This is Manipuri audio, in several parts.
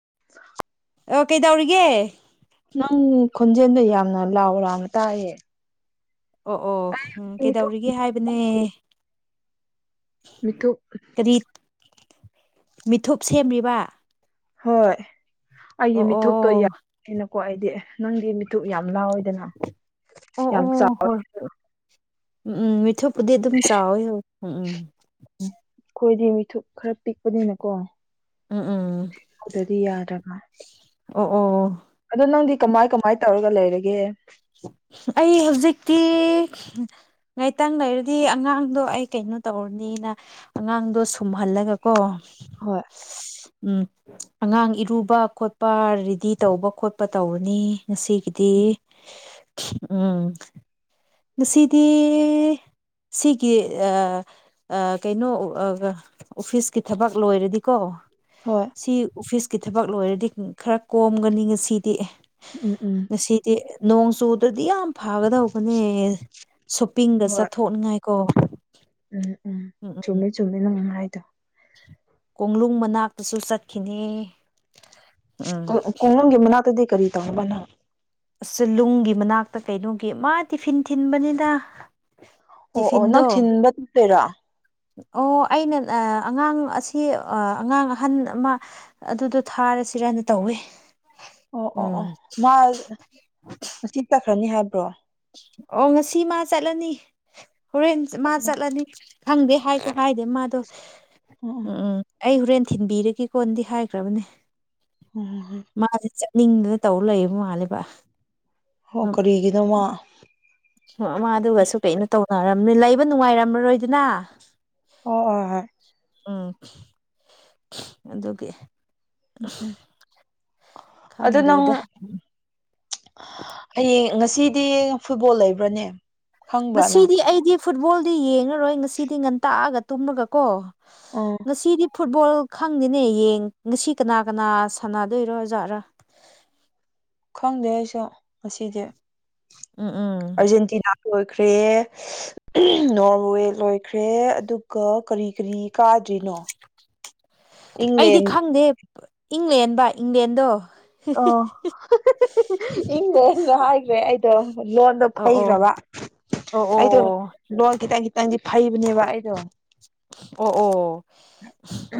[unintelligible] ꯑꯣ ꯀꯩꯗꯧꯔꯤꯒꯦ ꯈꯣꯟꯖꯦꯜꯗ ꯌꯥꯝꯅ ꯂꯥꯎ ꯂꯥꯎꯅ ꯇꯥꯏꯌꯦ ꯑꯣ ꯑꯣ ꯎꯝ ꯃꯤꯊꯨꯞ ꯀꯩꯗꯧꯔꯤꯒꯦ ꯍꯥꯏꯕꯅꯦ ꯃꯤꯠꯇ ꯀꯔꯤ ꯃꯤꯊꯨꯞ ꯁꯦꯝꯂꯤꯕ ꯍꯣꯏ ꯑꯩꯒꯤ ꯃꯤꯇꯨꯞꯇꯣ ꯑꯣ ꯌꯥꯅꯤꯅꯀꯣ ꯑꯩꯗꯤ ꯅꯪꯗꯤ ꯃꯤꯊꯨꯞ ꯌꯥꯝ ꯂꯥꯎꯋꯦ ꯑꯗꯨꯅ ꯑꯣ ꯌꯥꯝ ꯑꯣ ꯆꯥꯎꯋꯦ ꯍꯣꯏ ꯎꯝ ꯎꯝ ꯃꯤꯊꯨꯞꯄꯨꯗꯤ ꯑꯗꯨꯝ ꯆꯥꯎꯋꯦ ꯍꯧ ꯎꯝ ꯎꯝ ꯎꯝ ꯑꯩꯈꯣꯏꯗꯤ ꯃꯤꯊꯨꯞ ꯈꯔ ꯄꯤꯛꯄꯅꯤꯅꯀꯣ ꯎꯝ ꯎꯝ ꯎꯝ ꯄꯤꯄꯗꯗꯤ ꯌꯥꯗ꯭ꯔꯕꯥ ꯑꯣ ꯑꯣ ꯑꯣ ꯑꯗꯣ ꯅꯪꯗꯤ ꯀꯃꯥꯏ ꯀꯃꯥꯏ ꯇꯧꯔꯒ ꯂꯩꯔꯒꯦ ꯑꯩ ꯍꯧꯖꯤꯛꯇꯤ ꯉꯥꯏꯇꯪ ꯂꯩꯔꯗꯤ ꯑꯉꯥꯡꯗꯣ ꯑꯩ ꯀꯩꯅꯣ ꯇꯧꯔꯅꯤꯅ ꯑꯉꯥꯡꯗꯣ ꯁꯨꯝꯍꯜꯂꯒꯀꯣ ꯍꯣꯏ ꯎꯝ ꯑꯉꯥꯡ ꯏꯔꯨꯕ ꯈꯣꯠꯄ ꯔꯦꯗꯤ ꯇꯧꯕ ꯈꯣꯠꯄ ꯇꯧꯔꯅꯤ ꯉꯁꯤꯒꯤꯗꯤ ꯎꯝ ꯉꯁꯤꯗꯤ ꯁꯤꯒꯤ ꯑꯥ ꯑꯥ ꯀꯩꯅꯣ ꯑꯣꯐꯤꯁꯀꯤ ꯊꯕꯛ ꯂꯣꯏꯔꯗꯤꯀꯣ ꯍꯣꯏ ꯁꯤ ꯑꯣꯐꯤꯁꯀꯤ ꯊꯕꯛ ꯂꯣꯏꯔꯗꯤ ꯈꯔ ꯀꯣꯝꯒꯅꯤ ꯉ ꯁꯤꯗꯤ ꯎꯝ ꯎꯝ ꯉꯁꯤꯗꯤ ꯅꯣꯡ ꯆꯨꯗ꯭ꯔꯗꯤ ꯌꯥꯝ ꯐ ꯐꯥꯒꯗꯧꯕꯅꯦ ꯁꯣꯄꯤꯡꯗ ꯍꯣꯏ ꯆꯠꯊꯣꯛꯅꯤꯉꯥꯏꯀꯣ ꯎꯝ ꯎꯝ ꯆꯨꯝꯃꯦ ꯆꯨꯝꯃꯦ ꯅꯪ ꯍꯥꯏꯥꯏꯗꯣ ꯀꯣꯅꯨꯡ ꯃꯅꯥꯛꯇꯁꯨ ꯆꯠꯈꯤꯅꯦ ꯈꯨꯡꯅꯨꯡꯪꯒꯤ ꯃꯅꯥꯛꯇꯗꯤ ꯀꯔꯤ ꯇꯧꯅꯕꯅꯣꯟ ꯅ ꯑꯁ ꯆꯤꯂꯨꯡꯒꯤ ꯃꯅꯥꯛꯇ ꯀꯩꯅꯣꯒꯤ ꯃꯥ ꯇꯤꯐꯤꯟ ꯊꯤꯟꯕꯅꯤꯗ ꯑꯣ ꯑꯣ ꯇꯤꯐꯤꯟꯗꯣ ꯅꯪ ꯊꯤꯟꯕ ꯆꯠꯇꯣꯏꯔꯥ ꯑꯣ ꯑꯩꯅ ꯑꯉꯥꯡ ꯑꯁꯤ ꯑꯉꯥꯡ ꯑꯍꯟ ꯑꯃ ꯑꯗꯨꯗꯣ ꯊꯥꯔ ꯆꯠꯁꯤꯔꯅ ꯇꯧꯋꯦ ꯑꯣ ꯑꯣ ꯑꯣ ꯎꯝ ꯃꯥ ꯉꯁꯤ ꯇꯛꯈ꯭ꯔꯅꯤ ꯍꯥꯏꯕ꯭ꯔꯣ ꯑꯣ ꯉꯁꯤ ꯃꯥ ꯆꯠꯂꯅꯤ ꯍꯣꯔꯦꯟ ꯃꯥ ꯎꯝ ꯆꯠꯂꯅꯤ ꯈꯪꯗꯦ ꯍꯥꯏꯖꯨ ꯍꯥꯏꯗꯦ ꯃꯥꯗꯣ ꯑꯣ ꯎꯝ ꯎꯝ ꯑꯩ ꯍꯣꯔꯦꯟ ꯊꯤꯟꯕꯤꯔꯒꯦ ꯀꯣꯟꯗꯤ ꯍꯥꯏꯈ꯭ꯔꯕꯅꯦ [unintelligible] ꯅꯤꯡꯗꯨꯅ ꯇꯧꯔ ꯂꯩꯌꯦꯕ ꯃꯥꯜꯂꯦꯕ ꯍ ꯀꯔꯤꯒꯤꯅꯣ ꯃ ꯃꯗꯨꯒꯁꯨ ꯀꯩꯅꯣ ꯇꯧꯅꯔꯝꯅꯤ ꯂꯩꯕ ꯅꯨꯡꯉꯥꯏꯔꯝ ꯃꯔꯣꯏꯗꯅ ꯍꯣꯏ ꯎꯝ ꯑꯗꯨꯒꯤ [unintelligible] ꯑꯗꯨ ꯅꯪ ꯈꯪꯗ꯭ꯔꯦꯗ ꯍꯌꯦꯡ ꯉꯁꯤꯗꯤ ꯐꯨꯠꯕꯣꯜ ꯂꯩꯕ꯭ꯔꯅꯦ ꯈꯪꯕ꯭ꯔꯥ ꯅꯪ ꯉꯁꯤꯗꯤ ꯑꯩꯗꯤ ꯐꯨꯠꯕꯣꯜꯗꯤ ꯌꯦꯡꯉꯔꯣꯏ ꯉꯁꯤꯗꯤ ꯉꯟꯇꯥꯅꯥ ꯇꯨꯝꯃꯒ ꯀꯣ ꯎꯝ ꯉꯥꯁꯤꯗꯤ ꯐꯨꯠꯕꯣꯜ ꯈꯪꯗꯦꯅꯦ ꯌꯦꯡ ꯉꯁꯤ ꯀꯅꯥ ꯀꯅꯥ ꯁꯥꯟꯅꯗꯣꯏ ꯑꯣꯏꯖꯥꯠꯔꯥ [inaudible] ꯈꯪꯗꯦ ꯑꯩꯁꯨ ꯉꯁꯤꯗꯤ ꯎꯝ ꯎꯝ ꯑꯥꯔꯖꯦꯟꯇꯤꯅꯥ ꯂꯣꯏꯈ꯭ꯔꯦ ꯅꯣꯔꯋꯦ ꯂꯣꯏꯈ꯭ꯔꯦ ꯑꯗꯨꯒ ꯀꯔꯤ ꯀꯔꯤ ꯀꯥ ꯀꯔꯤꯅꯣ ꯑꯩꯗꯤ ꯈꯪꯗꯦ ꯏꯪꯂꯦꯟꯕ ꯏꯪꯂꯦꯟꯗꯣ [unintelligible] ꯏꯪꯂꯦꯟ ꯗꯣ ꯍꯥꯏꯈ꯭ꯔꯦ ꯑꯩꯗꯣ ꯂꯣꯟꯗꯣ ꯑꯣ ꯑꯣ ꯐꯩꯈ꯭ꯔꯕ ꯑꯣ ꯑꯣ ꯑꯩꯗꯣ ꯂꯣꯜ ꯈꯤꯇꯪ ꯈꯤꯇꯪꯗꯤ ꯐꯩꯕꯅꯦꯕ ꯑꯩꯗꯣ ꯑꯣ ꯑꯣ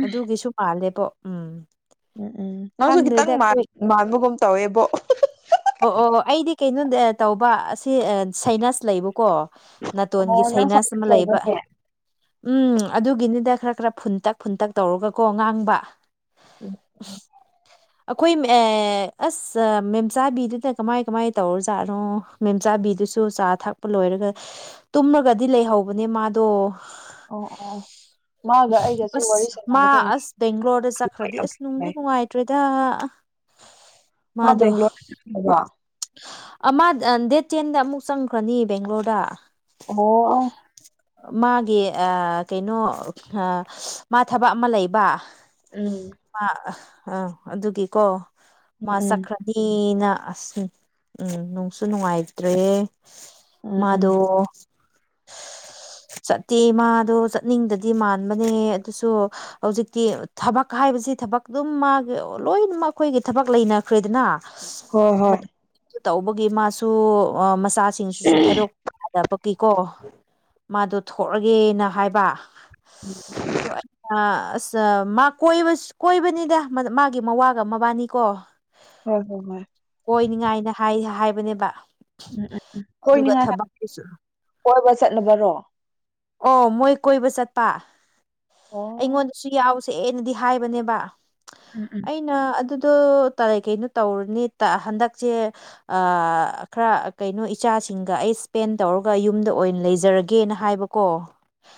ꯑꯗꯨꯒꯤꯁꯨ ꯃꯥꯜꯂꯦ [unintelligible] ꯎꯝ ꯎꯝ ꯎꯝ ꯅꯪꯁꯨ ꯈꯤꯇꯪ ꯈꯪꯗ꯭ꯔꯦꯗ ꯑꯩꯈꯣꯏ ꯃꯥꯟꯕꯒꯨꯝ ꯇꯧꯋꯦꯕꯣ ꯑꯣ ꯑꯣ ꯑꯣ ꯑꯩꯗꯤ ꯀꯩꯅꯣꯗ ꯇꯧꯕ ꯑꯁꯤ ꯁꯥꯏꯅꯁ ꯂꯩꯕꯀꯣ ꯅꯥꯇꯣꯟꯒꯤ ꯑꯣ ꯅꯪ ꯁꯩꯅꯁ ꯁꯥꯏꯟꯁ ꯑꯃ ꯂꯩꯕ ꯂꯧꯕꯅꯦ ꯎꯝ ꯑꯗꯨꯒꯤꯅꯤꯗ ꯈꯔ ꯈꯔ ꯐꯨꯟꯇꯛ ꯐꯨꯟꯇꯛ ꯇꯧꯔꯒꯀꯣ ꯉꯥꯡꯕ ꯑꯩꯈꯣꯏ ꯑꯁ [unintelligible] ꯃꯆꯥꯕꯤꯗꯨꯗ ꯀꯃꯥꯏ ꯀꯃꯥꯏꯅ ꯇꯧꯔꯖꯥꯠꯅꯣ ꯃꯦꯝꯆꯥꯕꯤꯗꯨꯁꯨ ꯆꯥ ꯊꯛꯄ ꯂꯣꯏꯔꯒ ꯇꯨꯝꯃꯒꯗꯤ ꯂꯩꯍꯧꯕꯅꯦ ꯃꯥꯗꯣ ꯑꯣ ꯑꯣ ꯃꯥꯒ ꯎ ꯑꯩꯒꯁꯨ ꯋꯥꯔꯤ ꯑꯁ ꯃꯥ ꯁꯥꯟꯅꯒꯗꯣꯏꯅꯦ ꯑꯁ ꯕꯦꯡꯒ꯭ꯂꯣꯔꯗ ꯆꯠꯈ꯭ꯔꯗꯤ ꯑꯁ ꯅꯨꯡꯗꯤ ꯅꯨꯡꯉꯥꯏꯇ꯭ꯔꯦ ꯑꯥ ꯑꯥ ꯑꯥ [unintelligible] ꯑꯃ ꯗꯦꯠ ꯇꯦꯟꯗ ꯑꯃꯨꯛ ꯆꯪꯈ꯭ꯔꯅꯤ ꯕꯦꯡꯒ꯭ꯂꯣꯔꯗ ꯑꯣ ꯃꯥꯒꯤ ꯑꯥ ꯀꯩꯅꯣ ꯑꯥ ꯃꯥ ꯊꯕꯛ ꯑꯃ ꯂꯩꯕ ꯎꯝ ꯑꯥ ꯑꯗꯨꯒꯤꯀꯣ ꯃꯥ ꯎꯝ ꯎꯝ ꯆꯈ꯭ꯔꯅꯤꯅ ꯑꯁ ꯎꯝ ꯅꯨꯡꯁꯨ ꯅꯨꯡꯉꯥꯏꯇ꯭ꯔꯦ ꯎꯝ ꯎꯝ ꯃꯥꯗꯣ [unintelligible] ꯆꯠꯇꯦ ꯃꯥꯗꯣ ꯆꯠꯅꯤꯡꯗꯗꯤ ꯃꯥꯟꯕꯅꯦ ꯑꯗꯨꯁꯨ ꯍꯧꯖꯤꯛꯇꯤ ꯊꯕꯛ ꯍꯥꯏꯕꯁꯤ ꯊꯕꯛ ꯗꯨꯝ ꯃꯥꯒꯤ ꯂꯣꯏꯅꯃꯛ ꯑꯈꯣꯏꯒꯤ ꯊꯕꯛ ꯂꯩꯅꯈ꯭ꯔꯦꯗꯅ ꯍꯣ ꯍꯣꯏ ꯑꯗꯨ ꯇꯧꯕꯒꯤ ꯃꯥꯁꯨ ꯑꯥ ꯃꯆꯥꯁꯤꯡꯁꯤꯁꯨ ꯊꯥꯗꯣꯛꯇꯕ ꯀꯤꯀꯣ ꯃꯥꯗꯣ ꯊꯣꯛꯑꯒꯦꯅ ꯍꯥꯏꯕ ꯑꯗꯣ ꯑꯩꯅ ꯑꯁ ꯃꯥ ꯀꯣꯏ ꯀꯣꯏꯕ ꯀꯣꯏꯕꯅꯤꯗ ꯃꯥꯒꯤ ꯃꯋꯥꯒ ꯃꯕꯥꯅꯤꯀꯣ ꯍꯣꯏ ꯍꯣꯏ ꯍꯣꯏ ꯑꯣꯏꯅꯤꯡꯉꯥꯏꯅꯦ ꯍꯥꯏ ꯍꯥꯏꯕꯅꯦꯕ ꯎꯝ ꯎꯝ ꯎꯝ ꯑꯗꯨꯒ ꯑꯣꯏꯅꯤꯉꯥꯏ ꯊꯕꯛꯇꯨꯁꯨ ꯀꯣꯏꯕ ꯆꯠꯅꯕꯔꯣ ꯑꯣ ꯃꯣꯏ ꯀꯣꯏꯕ ꯆꯠꯄ ꯑꯣ ꯑꯩꯉꯣꯟꯗꯁꯨ ꯌꯥꯎꯁ ꯁꯦꯅꯗꯤ ꯍꯥꯏꯕꯅꯦꯕ ꯎꯝ ꯎꯝ ꯑꯩꯅ ꯑꯗꯨ ꯑꯗꯨ ꯇ ꯀꯩꯅꯣ ꯇꯧꯔꯅꯤ ꯇꯥ ꯍꯟꯗꯛꯁꯦ ꯑꯥ ꯈꯔ ꯀꯩꯅꯣ ꯏꯆꯥ ꯁꯤꯡꯒ ꯑꯩ ꯁ꯭ꯄꯦꯟ ꯇꯧꯔꯒ ꯌꯨꯝꯗ ꯑꯣꯏꯟ ꯂꯩꯖꯔꯒꯦꯅ ꯍꯥꯏꯕꯀꯣ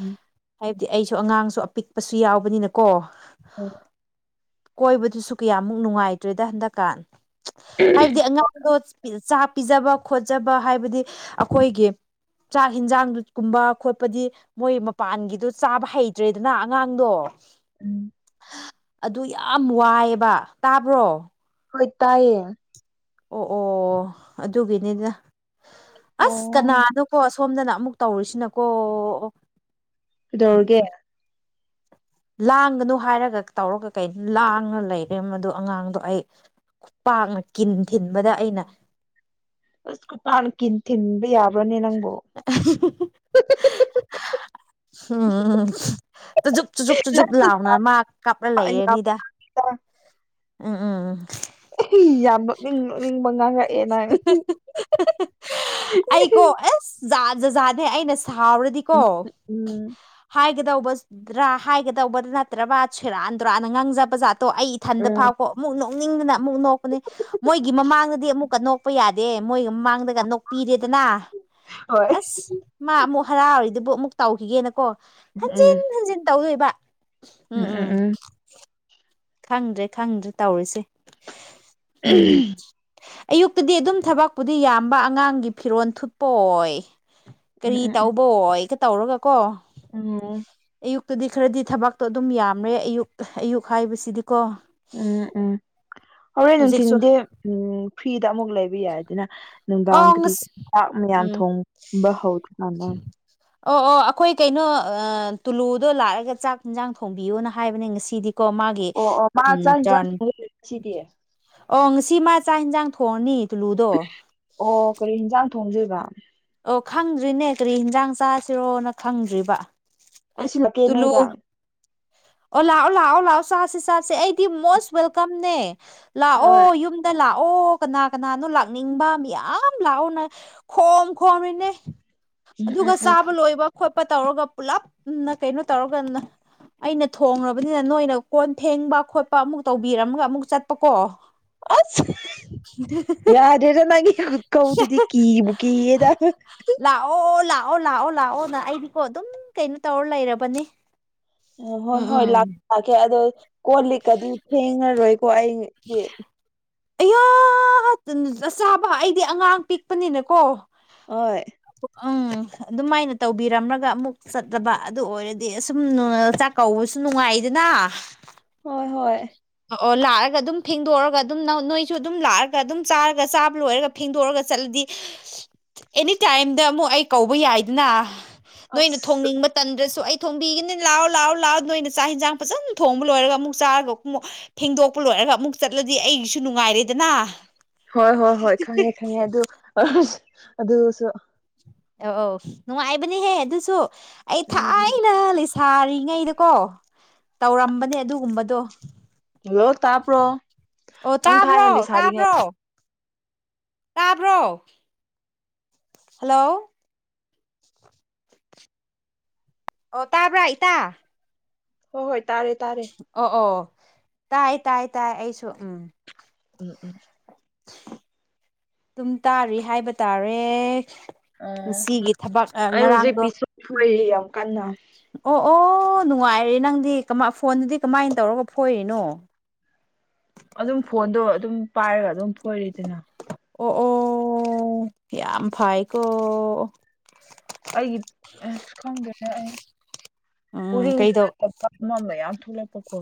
ꯎꯝ ꯍꯥ꯭ꯏꯕꯗꯤ ꯑꯩꯁꯨ ꯑꯉꯥꯡꯁꯨ ꯑꯄꯤꯛꯄꯁꯨ ꯌꯥꯎꯕꯅꯤꯅꯀꯣ ꯎꯝ ꯀꯣꯏꯕꯗꯨꯁꯨ ꯀꯌꯥꯃꯨꯛ ꯅꯨꯡꯉꯥꯏꯇ꯭ꯔꯦꯗ ꯍꯟꯗꯛꯀꯥꯟ ꯍꯥꯏꯕꯗꯤ ꯑꯉꯥꯡꯗꯣ ꯆꯥꯛ ꯄꯤꯖꯕ ꯈꯣꯠꯆꯕ ꯍꯥꯏꯕꯗꯤ ꯑꯈꯣꯏꯒꯤ ꯆꯥꯛ ꯌꯦꯟꯖꯥꯡ ꯗꯨ ꯀꯨꯝꯕ ꯄꯗꯤ ꯃꯣꯏ ꯃꯄꯥꯟꯒꯤꯗꯣ ꯆꯥꯕ ꯍꯩꯇ꯭ꯔꯦꯗꯅ ꯑꯉꯥꯡꯗꯣ ꯎꯝ ꯑꯗꯨ ꯌꯥꯝ ꯋꯥꯏꯕ ꯇꯥꯕ꯭ꯔꯣ ꯍꯣꯏ ꯇꯥꯏꯌꯦ ꯑꯣ ꯑꯣ ꯑꯗꯨꯒꯤꯅꯤꯗ ꯑꯁ ꯑꯣ ꯀꯅꯥꯅꯣꯀꯣ ꯁꯣꯝꯗꯅ ꯑꯃꯨꯛ ꯇꯧꯔꯤꯁꯤꯅꯀꯣ ꯑꯣ ꯀꯩꯗꯧꯔꯒꯦ ꯂꯥꯡꯒꯅꯣ ꯍꯥꯏꯔꯒ ꯇꯧꯔꯒ ꯀꯩ ꯂꯥꯡꯑꯥ ꯂꯩꯔꯦ ꯃꯗꯨ ꯑꯉꯥꯡꯗꯣ ꯑꯩ ꯈꯨꯄꯥꯛꯅ ꯀꯤꯟ ꯊꯤꯟꯕꯗ ꯑꯩꯅ ꯈꯨꯄꯥꯛꯅ ꯀꯤꯟ ꯊꯤꯟꯕ ꯌꯥꯕ꯭ꯔꯣꯅꯦ ꯅꯪ [unintelligible] ꯎꯝ ꯇꯖꯨꯞ ꯆꯨꯖꯨꯞ ꯆꯨꯖꯨꯞ ꯅꯪꯁꯨ ꯂꯥꯎꯅ ꯃꯥ ꯀꯥꯞꯂ ꯂꯩꯔꯅꯤꯗ ꯎꯝ ꯎꯝ ꯎꯝ ꯏꯍꯤ ꯌꯥꯝ ꯅꯣꯛꯅꯤꯡ ꯅꯣꯛꯅꯤꯡꯕ ꯉꯥꯡꯔꯛ ꯑꯦ ꯅꯪ ꯑꯩꯀꯣ [unintelligible] ꯑꯁ ꯖꯥꯠ ꯖꯖꯥꯠꯅꯦ ꯑꯩꯅ ꯎꯝ ꯎꯝ ꯎꯝ ꯎꯝ ꯎꯝ ꯎꯝ ꯁꯥꯎꯔꯗꯤꯀꯣ ꯍꯥꯏ [unintelligible] ꯍꯥꯏꯒꯗꯧꯕ ꯅꯠꯇ꯭ꯔꯕ ꯁꯦꯔꯥꯥꯟꯗꯨꯔꯥꯟ ꯉꯥꯡꯖꯕꯖꯥꯠ ꯑꯩ ꯏꯊꯟꯗ ꯐꯥꯎꯀꯣ ꯑꯃꯨꯛ ꯅꯣꯛꯅꯤꯡꯗꯅ ꯑꯃꯨꯛ ꯅꯣꯛꯀꯅꯤ ꯃꯣꯏꯒꯤ ꯃꯃꯥꯡꯗꯗꯤ ꯑꯃꯨꯛꯀ ꯅꯣꯛꯄ ꯌꯥꯗ ꯗꯦ ꯃꯣꯏꯒ ꯃꯃꯥꯡꯗꯒ ꯅꯣꯛꯄꯤꯔꯦꯗꯅ ꯑꯁ ꯃꯥ ꯑꯃꯨꯛ ꯍꯔꯥꯎꯔꯤꯗꯨꯕꯨ ꯑꯃꯨꯛ ꯇꯧꯈꯤꯒꯦꯅꯀꯣ ꯍꯟꯖꯤꯟ ꯎꯝ ꯍꯟꯖꯤꯟ ꯇꯧꯗꯣꯏꯕ ꯎꯝ ꯎꯝ ꯈꯪꯗ꯭ꯔꯦ ꯈꯪꯗ꯭ꯔꯦ ꯇꯧꯔꯤꯁꯦ ꯎꯝ ꯑꯌꯨꯛꯇꯗꯤ ꯑꯗꯨꯝ ꯊꯕꯛꯄꯨꯗꯤ ꯌꯥꯝꯕ ꯑꯉꯥꯡꯒꯤ ꯐꯤꯔꯣꯜ ꯊꯨꯠꯄ ꯑꯣꯏ ꯀꯔꯤ ꯎꯝ ꯇꯧꯕ ꯑꯣꯏꯒ ꯇꯧꯔꯒ ꯀꯣ ꯎꯝ ꯑꯌꯨꯛꯇꯗꯤ ꯈꯔꯗꯤ ꯊꯕꯛꯇꯣ ꯑꯗꯨꯝ ꯌꯥꯝꯃꯦ ꯑꯌꯨꯛ ꯑꯌꯨꯛ ꯍꯥꯏꯕꯁꯤ ꯎꯝ ꯎꯝ ꯍꯣꯔꯦꯟ ꯍꯧꯖꯤꯛꯁꯨ ꯅꯨꯡꯊꯤꯟꯗꯤ ꯎꯝ ꯐ꯭ꯔꯤꯗ ꯑꯃꯨꯛ ꯂꯩꯕ ꯌꯥꯏꯗꯅ ꯅꯨꯡꯗꯥꯡ ꯑꯣ ꯀꯔꯤ ꯉꯁ ꯆꯥꯛ ꯎꯝ ꯃꯌꯥꯝꯊꯣꯡꯒꯨꯝꯕ ꯍꯧꯈ꯭ꯔꯀꯥꯟꯗ ꯑꯣ ꯑꯣ ꯑꯩꯈꯣꯏ ꯀꯩꯅꯣ ꯇꯨꯂꯨꯗꯣ ꯂꯥꯛꯑꯒ ꯆꯥꯛ ꯏꯟꯖꯥꯡ ꯊꯣꯡꯕꯤꯌꯣꯅ ꯍꯥꯏꯕꯅꯦ ꯉꯁꯤꯗꯤ ꯀ ꯃꯥꯒꯤ ꯑꯣ ꯑꯣ ꯃꯥ ꯎꯝ ꯆꯥꯛ ꯌꯦꯟꯖꯥꯡ ꯆꯥꯟ ꯊꯣꯡꯗꯣꯏꯔ ꯉꯁꯤꯗꯤ ꯑꯣ ꯉꯁꯤ ꯇꯤ ꯃꯥ ꯆꯥꯛ ꯏꯟꯖꯥꯡ ꯊꯣꯡꯉꯅꯤ ꯇꯨꯂꯨꯗꯣ ꯑꯣ ꯀꯔꯤ ꯍꯟꯖꯥꯡ ꯊꯣꯡꯗꯨꯏꯕ ꯑꯣ ꯈꯪꯗ꯭ꯔꯤꯅꯦ ꯀꯔꯤ ꯍꯟꯖꯥꯡ ꯆꯥꯁꯤꯔꯣꯅ ꯈꯪꯗ꯭ꯔꯤꯕ ꯑꯩꯁꯨꯂꯛꯀꯦ ꯇꯨꯂꯨ ꯅꯣꯏꯗ ꯑꯣ ꯂꯥꯛꯑꯣ ꯂꯥꯛꯑꯣ ꯂꯥꯛꯑꯣ ꯆꯥꯁꯤ ꯆꯥꯁꯦ ꯑꯩꯗꯤ ꯃꯣꯁ ꯋꯦꯜꯀꯝꯅꯦ ꯍꯣꯏ ꯂꯥꯛꯑꯣ ꯌꯨꯝꯗ ꯂꯥꯛ ꯑꯣ ꯀꯅꯥ ꯀꯅꯥꯅꯣ ꯂꯥꯛꯅꯤꯡꯕ ꯃꯌꯥꯝ ꯂꯥꯛꯎꯅ ꯈꯣꯝ ꯈꯣꯝꯃꯤꯅꯦ ꯎꯝ ꯑꯗꯨꯒ ꯎꯝ ꯎꯝ ꯆꯥꯕ ꯂꯣꯏꯕ ꯈꯣꯠꯄ ꯇꯧꯔꯒ ꯄꯨꯂꯞꯅ ꯀꯩꯅꯣ ꯇꯧꯔꯒ ꯅ ꯑꯩꯅ ꯊꯣꯡꯉ꯭ꯔꯕꯅꯤꯅ ꯅꯣꯏꯅ ꯀꯣꯟ ꯐꯦꯡꯕ ꯈꯣꯠꯄ ꯑꯃꯨꯛ ꯇꯧꯕꯤꯔꯝꯃꯒ ꯑꯃꯨꯛ ꯆꯠꯄꯀꯣ ꯑꯁ ꯌꯥꯗꯦꯗ ꯅꯪꯒꯤ ꯀꯧꯗꯗꯤ ꯀꯤꯕꯨ ꯀꯤꯌꯦꯗ ꯑꯧ ꯂꯥꯛꯑꯣ ꯂꯥꯛꯑꯣ ꯅ ꯑꯩꯗꯤꯀꯣ ꯑꯗꯨꯝ ꯀꯩꯅꯣ ꯇꯧꯔ ꯂꯩꯔꯕꯅꯤ ꯑ ꯍꯣꯏ ꯎꯝ ꯍꯣꯏ ꯎꯝ ꯂꯥꯛꯀꯦ ꯂꯥꯛꯀꯦ ꯑꯗꯣ ꯀꯣ ꯂꯤꯛꯀꯗꯤ ꯐꯦꯡꯉꯔꯣꯏ ꯀꯣ ꯑꯩꯗꯤ ꯑꯌꯣ [unintelligible] ꯆꯥꯥꯕ ꯑꯩꯗꯤ ꯑꯉꯥꯡ ꯄꯤꯛꯄꯅꯤꯅꯀꯣ ꯑꯣꯏ ꯑꯪ ꯑꯗꯨꯃꯥꯏꯅ ꯇꯧꯕꯤꯔꯝꯂꯒ ꯑꯃꯨꯛ ꯆꯠꯇꯂꯕ ꯑꯗꯨ ꯑꯣꯏꯔꯗꯤ ꯑꯁꯨꯝ [unintelligible] ꯆꯥꯛ ꯀꯧꯕꯁꯨ ꯅꯨꯡꯉꯥꯏꯗꯅ ꯍꯣꯏ ꯍꯣꯏ ꯑꯣ ꯂꯥꯛꯑꯒ ꯑꯗꯨꯝ ꯐꯦꯡꯗꯣꯛꯑꯒ ꯑꯗꯨꯝ ꯅꯣꯏꯁꯨ ꯑꯗꯨꯝ ꯂꯥꯛꯑꯒ ꯑꯗꯨꯝ ꯆꯥꯔꯒ ꯆꯥꯕ ꯂꯣꯏꯔꯒ ꯐꯦꯡꯗꯣꯛꯑꯒ ꯆꯠꯂꯗꯤ ꯗꯤ ꯑꯦꯅꯤ ꯇꯥꯏꯝꯗ ꯑꯃꯨꯛ ꯑꯩ ꯀꯧꯕ ꯌꯥꯏꯗꯅ ꯅꯣꯏꯅ ꯑꯁ ꯊꯣꯡꯅꯤꯡꯕ ꯇꯟꯗ꯭ꯔꯁꯨ ꯑꯩ ꯊꯣꯡꯕꯤꯒꯅꯤ ꯂꯥꯛꯑꯣ ꯂꯥꯛꯑꯣ ꯂꯥꯛꯑꯣ ꯅꯣꯏꯅ ꯆꯥꯛ ꯌꯦꯟꯖꯥꯡ ꯐꯖꯅ ꯊꯣꯡꯕ ꯂꯣꯏꯔꯒ ꯑꯃꯨꯛ ꯆꯥꯔꯒ ꯐꯦꯡꯗꯣꯛꯄ ꯂꯣꯏꯔꯒ ꯑꯃꯨꯛ ꯆꯠꯂꯗꯤ ꯑꯩꯒꯤꯁꯨ ꯅꯨꯡꯉꯥꯏꯔꯦꯗꯅ ꯍꯣꯏ ꯍꯣꯏ ꯍꯣꯏ ꯈꯪꯉꯦ ꯈꯪꯉꯦ ꯑꯗꯨ ꯑꯗꯨꯁꯨ ꯑꯧ ꯑꯧ ꯅꯨꯡꯉꯥꯏꯕꯅꯦꯍꯦ ꯑꯗꯨꯁꯨ ꯑꯩ ꯎꯝ ꯎꯝ ꯊꯥꯏꯅ ꯂꯩ ꯁꯥꯔꯤꯉꯩꯗꯀꯣ ꯇꯧꯔꯝꯕꯅꯦ ꯑꯗꯨꯒꯨꯝꯕꯗꯣ ꯍꯜꯂꯣ ꯇꯥꯄ꯭ꯔꯣ ꯑꯣ ꯇꯥꯕ꯭ꯔꯣ ꯇꯥꯕ꯭ꯔꯣ ꯇꯥꯕ꯭ꯔꯣ ꯍꯜꯂꯣ ꯑꯣ ꯇꯥꯕ꯭ꯔ ꯏꯇꯥ ꯍꯣ ꯍꯣꯏ ꯇꯥꯔꯦ ꯇꯥꯔꯦ ꯑꯣ ꯑꯣ ꯇꯥꯏ ꯇꯥꯏ ꯇꯥꯏ ꯑꯩꯁꯨ ꯎꯝ ꯎꯝ ꯎꯝ ꯗꯨꯝ ꯇꯥꯔꯤ ꯍꯥꯏꯕ ꯇꯥꯔꯦ ꯑꯣ ꯉꯁꯤꯒꯤ ꯊꯕꯛ ꯑꯥ ꯉꯔꯥꯡꯗꯣ ꯀꯅꯥ ꯑꯣ ꯑꯣ ꯅꯨꯡꯉꯥꯏꯔꯦ ꯅꯪꯗꯤ ꯀꯃ ꯐꯣꯟꯗꯨꯗꯤ ꯀꯃꯥꯏ ꯇꯧꯔꯒ ꯐꯣꯏꯔꯤꯅꯣ ꯑꯗꯨꯝ ꯐꯣꯟꯗꯣ ꯑꯗꯨꯝ ꯄꯥꯏꯔꯒ ꯑꯗꯨꯝ ꯐꯣꯏꯔꯤꯗꯅ ꯑꯣ ꯑꯣ ꯌꯥꯝ ꯐꯥꯏ ꯀꯣ ꯑꯩꯒꯤ ꯑꯁ ꯈꯪꯗ꯭ꯔꯦꯅꯦ ꯑꯩ ꯎꯝ ꯎꯔꯤꯡꯁꯨ ꯀꯩꯗꯧ ꯅꯠꯇ [unintelligible] ꯃꯌꯥꯝ ꯊꯣꯛꯂꯛꯄꯀꯣ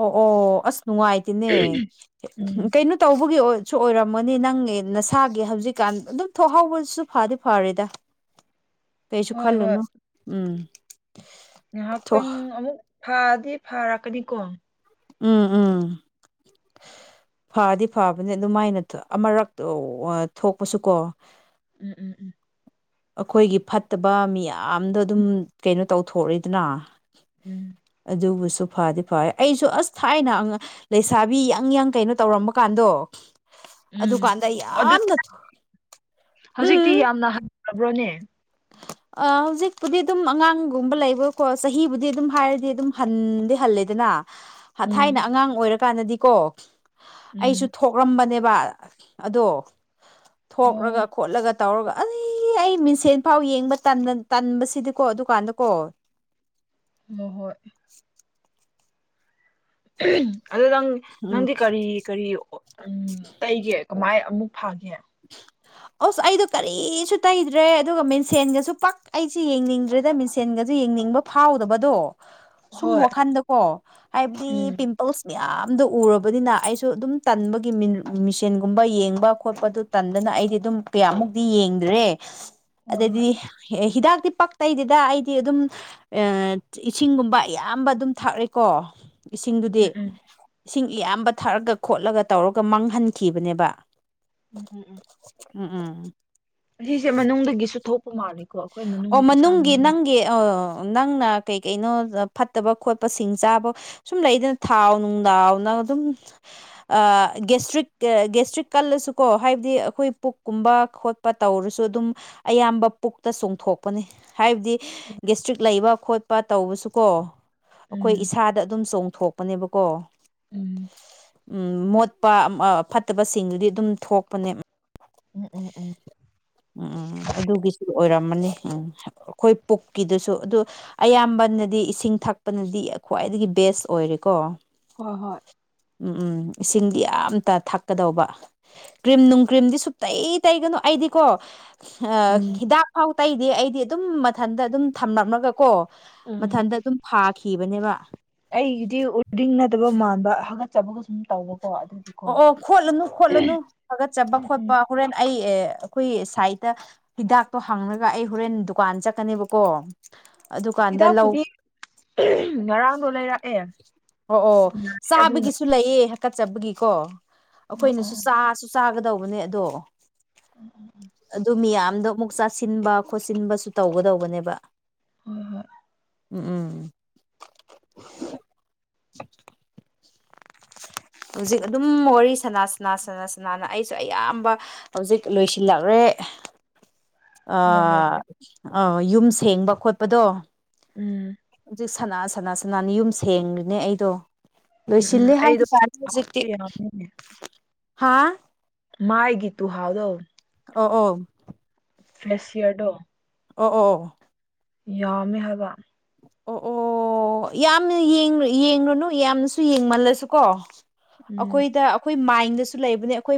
ꯑꯣ ꯑꯣ ꯑꯁ ꯅꯨꯡꯉꯥꯏꯇꯦꯅꯦ ꯎꯝ ꯀꯩꯅꯣ ꯇꯧꯕꯒꯤ ꯑꯣꯏ ꯁꯨ ꯑꯣꯏꯔꯝꯃꯅꯤ ꯅꯪ ꯅꯁꯥꯒꯤ ꯍꯧꯖꯤꯛꯀꯥꯟ ꯑꯗꯨꯝ ꯊꯣꯛꯍꯧꯕꯁꯨ ꯐꯗꯤ ꯐꯔꯦꯗ ꯀꯩꯁꯨ ꯈꯜꯂꯨ ꯎꯝ ꯊꯣꯛ ꯉꯍꯥꯛꯇꯪ ꯑꯃꯨꯛ ꯐꯥꯗꯤ ꯐꯥꯔꯛꯀꯅꯤꯀꯣ ꯎꯝ ꯎꯝ ꯐꯗꯤ ꯐꯕꯅꯤ ꯑꯗꯨꯃꯥꯏꯅ [unintelligible] ꯃꯥꯔꯛꯇ ꯊꯣꯛꯄꯁꯨꯀꯣ ꯎꯝ ꯎꯝ ꯎꯝ ꯑꯩꯈꯣꯏꯒꯤ ꯐꯠꯇꯕ ꯃꯤꯌꯥꯝꯗ ꯑꯗꯨꯝ ꯀꯩꯅꯣ ꯇꯧꯊꯣꯛꯔꯛꯏꯗꯅ ꯎꯝ ꯑꯗꯨꯕꯨꯁꯨ ꯐꯥꯗꯤ ꯐꯥꯋꯦ ꯑꯩꯁꯨ ꯑꯁ ꯊꯥꯏꯅ ꯂꯩꯁꯥꯕꯤ ꯌꯪ ꯌꯪ ꯀꯩꯅꯣ ꯇꯧꯔꯝꯕ ꯀꯥꯟꯗꯣ ꯎꯝ ꯑꯗꯨꯀꯥꯟꯗ ꯑꯗꯨ ꯌꯥꯝꯅ ꯊꯣ ꯍꯧꯖꯤꯛꯇꯤ ꯎꯝ ꯌꯥꯝꯅ ꯍꯟꯈ꯭ꯔꯕ꯭ꯔꯣꯅꯦ ꯑꯥ ꯍꯧꯖꯤꯛꯄꯨꯗꯤ ꯑꯗꯨꯝ ꯑꯉꯥꯡꯒꯨꯝꯕ ꯂꯩꯕꯀꯣ ꯆꯍꯤꯕꯨꯗꯤ ꯑꯗꯨꯝ ꯍꯥꯏꯔꯗꯤ ꯑꯗꯨꯝ ꯍꯟꯗꯤ ꯍꯜ ꯂꯦꯗꯅ ꯊꯥꯏꯅ ꯎꯝ ꯑꯉꯥꯡ ꯑꯣꯏꯔꯥꯀꯥꯟꯗꯗꯤ ꯀꯣ ꯑꯩꯁꯨ ꯎꯝ ꯊꯣꯛꯔꯝꯕꯅꯦ ꯕ ꯑꯗꯣ ꯊꯣꯛꯔꯒ ꯑꯣ ꯈꯣꯠꯂꯒ ꯇꯧꯔꯒ ꯑꯩ ꯑꯩ ꯃꯤꯟꯁꯦꯟ ꯐꯥꯎ ꯌꯦꯡꯕ ꯇꯟ ꯇꯟꯕꯁꯤꯗꯤꯀꯣ ꯑꯗꯨꯀꯥꯟꯗ ꯀꯣ ꯃꯣꯍꯣꯏ [unintelligible] ꯑꯗꯨ ꯅꯪ ꯎꯝ ꯅꯪꯗꯤ ꯀꯔꯤ ꯀꯔꯤ ꯎꯝ ꯇꯩꯒꯦ ꯀꯃꯥꯏ ꯑꯃꯨꯛ ꯐꯥꯒꯦ [unintelligible] ꯑꯁ ꯑꯩꯗꯣ ꯀꯔꯤꯁꯨ ꯇꯩꯗ꯭ꯔꯦ ꯑꯗꯨꯒ ꯃꯤꯟꯁꯦꯟꯒꯁꯨ ꯄꯥꯛ ꯑꯩꯁꯦ ꯌꯦꯡꯅꯤꯡꯗ꯭ꯔꯦꯗ ꯃꯤꯟꯁꯦꯟꯒꯁꯤ ꯌꯦꯡꯅꯤꯡꯕ ꯐꯥꯎꯗꯕꯗꯣ ꯁꯨꯝ ꯍꯣꯏ ꯋꯈꯜꯗꯥꯀꯣ ꯍꯥꯏꯕꯗꯤ ꯎꯝ ꯄꯤꯝꯄꯜ ꯃꯤꯌꯥꯝ ꯎꯔꯕꯅꯤꯅ ꯑꯩꯁꯨ ꯑꯗꯨꯝ ꯇꯟꯕꯒꯤ ꯃꯤꯟ ꯃꯤꯟꯁꯦꯡ ꯒꯨꯝꯕ ꯌꯦꯡꯕ ꯈꯣꯠꯄꯗꯨ ꯇꯟꯗꯅ ꯑꯩꯗꯤ ꯑꯗꯨꯝ ꯄꯤꯌꯥꯃꯨꯛꯇꯤ ꯌꯦꯡꯗ꯭ꯔꯦ ꯍꯣꯏ ꯑꯗꯩꯗꯤ ꯍꯣꯏ ꯑꯩ ꯍꯤꯗꯥꯛꯇꯤ ꯄꯛ ꯇꯩꯗꯦꯗ ꯑꯩꯗꯤ ꯑꯗꯨꯝ ꯑꯥ ꯏꯁꯤꯡꯒꯨꯝꯕ ꯑꯌꯥꯝꯕ ꯑꯗꯨꯝ ꯊꯥꯛꯔꯦꯀꯣ ꯏꯁꯤꯡꯗꯨꯗꯤ ꯎꯝ ꯎꯝ ꯏꯁꯤꯡ ꯏꯌꯥꯝꯕ ꯊꯛꯔꯒ ꯈꯣꯠꯂꯒ ꯇꯧꯔꯒ ꯃꯥꯡꯍꯟꯈꯤꯕꯅꯦꯕ ꯎꯝ ꯎꯝ ꯎꯝ ꯎꯝ ꯎꯝ ꯑꯁꯤꯁꯦ ꯃꯅꯨꯡꯗꯒꯤꯁꯨ ꯊꯣꯛꯄ ꯃꯥꯜꯂꯤ ꯑꯣ ꯃꯅꯨꯡꯒꯤ ꯅꯪꯒꯤ [unintelligible] ꯅꯪꯅ ꯀꯩ ꯀꯩꯅꯣ ꯐꯠꯇꯕ ꯈꯣꯠꯄ ꯁꯤꯡ ꯆꯥꯕ ꯁꯨꯝ ꯂꯩꯗꯅ ꯊꯥꯎ ꯅꯨꯡꯗꯥꯎ ꯅ ꯑꯗꯨꯝ ꯒꯦꯁꯇ꯭ꯔ꯭ꯤꯛ ꯀꯜꯂꯥꯁꯨꯀꯣ ꯍꯥꯏꯕꯗꯤ ꯑꯩꯈꯣꯏ ꯄꯨꯛꯀꯨꯝꯕ [unintelligible] ꯈꯣꯠꯄ ꯇꯧꯔꯁꯨ ꯑꯗꯨꯝ ꯑꯌꯥꯝꯕ ꯄꯨꯛ ꯆꯣꯡꯊꯣꯛꯄꯅꯤ ꯍꯥꯏꯕꯗꯤ ꯒꯁꯇ꯭ꯔꯤꯛ ꯂꯩꯕ ꯈꯣꯠꯄ ꯇꯧꯕꯁꯨꯀꯣ ꯑꯈꯣꯏ ꯎꯝ ꯏꯁꯥꯗ ꯑꯗꯨꯝ ꯆꯣꯡꯊꯣꯛꯄꯅꯦꯕꯀꯣ ꯎꯝ ꯎꯝ ꯃꯣꯠꯄ ꯐꯠꯇꯕꯁꯤꯡꯗꯨꯗꯤ ꯑꯗꯨꯝ ꯊꯣꯛꯄꯅꯦ ꯎꯝ ꯎꯝ ꯎꯝ ꯎꯝ ꯑꯗꯨꯒꯤꯁꯨ ꯑꯣꯏꯔꯝ ꯎꯝ ꯑꯩꯈꯣꯏ ꯄꯨꯛꯀꯤꯗꯨꯁꯨ ꯑꯗꯨ ꯑꯌꯥꯝꯕꯅꯗꯤ ꯏꯁꯤꯡ ꯊꯛꯄꯅꯗꯤ ꯈꯋꯥꯏ ꯈ꯭ꯋꯥꯏꯗꯒꯤ ꯕꯦꯁ ꯑꯣꯏꯔꯦꯀꯣ ꯍꯣꯏ ꯍꯣꯏ ꯎꯝ ꯎꯝ ꯏꯁꯤꯡꯗꯤ ꯌꯥꯝꯇ ꯊꯛꯀꯗꯧꯕ ꯀ꯭ꯔꯤꯝ ꯅꯨꯡ ꯀ꯭ꯔꯤꯝꯗꯤ ꯁ ꯇꯩ ꯇꯩꯒꯅꯣ ꯑꯩꯗꯤꯀꯣ ꯑꯥ ꯎꯝ ꯍꯤꯗꯥꯛ ꯐꯥꯎ ꯇꯩꯗꯤ ꯑꯩꯗꯤ ꯑꯗꯨꯝ ꯃꯊꯟꯇ ꯑꯗꯨꯝ ꯊꯝꯂꯝꯂꯒ ꯀꯣ ꯎꯝ ꯃꯊꯟꯇ ꯑꯗꯨꯝ ꯐꯥꯈꯤꯕꯅꯦꯕ ꯑꯩꯒꯤꯗꯤ ꯎꯗꯤꯡ ꯅꯠꯗꯕ ꯃꯥꯟꯕꯒ ꯆꯕꯒ ꯁꯨꯝ ꯇꯥꯎꯕ ꯑꯣ ꯑꯣ ꯈꯣꯠꯂꯨꯅꯨ ꯈꯣꯠꯂꯨꯅꯨ ꯐꯥꯒꯠꯆꯕ ꯎꯝ ꯎꯝ ꯈꯣꯠꯄ ꯍꯣꯔꯦꯟ ꯑꯩ ꯑꯦ ꯑꯩꯈꯣꯏ ꯁꯥꯏꯗꯠꯇ ꯍꯤꯗꯥꯛꯇꯣ ꯍꯥꯡꯉꯒ ꯑꯩ ꯍꯣꯔꯦꯟ ꯗꯨꯀꯥꯟ ꯆꯠꯀꯅꯦꯕꯀꯣ ꯑꯗꯨꯀꯥꯟꯗ ꯂꯧ ꯍꯤꯗꯥꯛꯄꯨꯗꯤ ꯉꯔꯥꯡꯗꯣ ꯂꯩꯔꯛꯑꯦ ꯑꯣ ꯑꯣ ꯑꯗꯨꯅ ꯆꯥꯕꯒꯤꯁꯨ ꯂꯩꯌꯦꯦ ꯀꯠꯆꯕꯒꯤꯀꯣ ꯑꯣ ꯑꯩꯈꯣꯏꯅꯁꯨ ꯑꯣ ꯆꯥꯁꯨ ꯆꯥꯒꯗꯧꯕꯅꯦ ꯑꯗꯣ ꯑꯗꯨ ꯃꯤꯌꯥꯝꯗꯣ ꯑꯃꯨꯛ ꯆꯥꯁꯤꯟꯕ ꯈꯣꯠꯆꯤꯟꯕꯁꯨ ꯇꯧꯒꯗꯧꯕꯅꯦꯕ ꯍꯣꯏ ꯍꯣꯏ ꯎꯝ ꯎꯝ ꯎꯝ [inaudible] ꯍꯧꯖꯤꯛ ꯑꯗꯨꯝ ꯋꯥꯔꯤ ꯁꯅꯥ ꯁꯅꯥ ꯁꯅꯥ ꯁꯅꯥꯅ ꯑꯩꯁꯨ ꯑꯌꯥꯝꯕ ꯍꯧꯖꯤꯛ ꯂꯣꯏꯁꯤꯜꯂꯛ꯭ꯔꯦ ꯍꯣꯏ ꯍꯣꯏ ꯑꯦ ꯍꯣꯏ ꯑꯥ ꯌꯨꯝ ꯁꯦꯡꯕ ꯈꯣꯠꯄꯗꯣ ꯎꯝ ꯍꯧꯖꯤꯛ ꯁꯅꯥ ꯁꯅꯥ ꯁꯅꯥꯅꯤ ꯌꯨꯝ ꯁꯦꯡꯈ꯭ꯔꯤꯅꯦ ꯑꯩꯗꯣ ꯎꯝ ꯎꯝ ꯂꯣꯏꯁꯤꯜꯂꯤꯦ ꯑꯩꯗꯣ ꯍꯥꯏꯗꯤꯥ ꯍꯧꯖꯤꯛꯇꯤ ꯌꯥꯝꯃꯦ ꯍꯥ ꯃꯥꯏꯒꯤ ꯇꯨꯍꯥꯎꯗꯧ ꯑꯣ ꯑꯣ ꯐ꯭ꯂꯦꯁꯤꯌꯥꯔꯗꯣ ꯑꯣ ꯑꯣ ꯌꯥꯝꯃꯦ ꯍꯥꯏꯕ ꯑꯣ ꯑꯣ ꯌꯥꯝꯅ ꯌꯦꯡꯨꯅꯨ ꯌꯥꯝꯅꯁꯨ ꯌꯦꯡꯃꯜꯂꯁꯨ ꯀꯣ ꯎꯝ ꯑꯩꯈꯣꯏꯗ ꯑꯩꯈꯣꯏ ꯃꯥꯏꯟꯗꯁꯨ ꯂꯩꯕꯅꯦ ꯑꯩꯈꯣꯏ